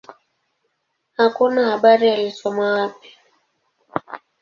Hakuna habari alisoma wapi.